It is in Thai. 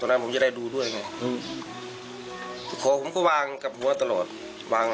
นั้นผมจะได้ดูด้วยไงอืมคอผมก็วางกับหัวตลอดวาง